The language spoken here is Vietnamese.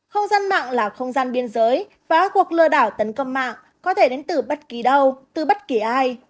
không gian mạng là không gian biên giới và các cuộc lừa đảo tấn công mạng có thể đến từ bất kỳ đâu từ bất kỳ ai